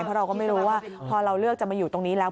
เพราะเราก็ไม่รู้ว่าพอเราเลือกจะมาอยู่ตรงนี้แล้ว